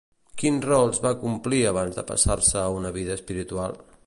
Quins rols va complir abans de passar-se a una vida espiritual?